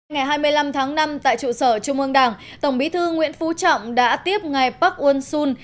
ngày hai mươi năm tháng năm tại trụ sở trung ương đảng tổng bí thư nguyễn phú trọng đã tiếp ngài park won sun